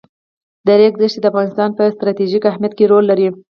د ریګ دښتې د افغانستان په ستراتیژیک اهمیت کې رول لري.